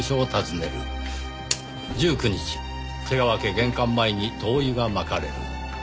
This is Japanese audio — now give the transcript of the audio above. １９日瀬川家玄関前に灯油が撒かれる。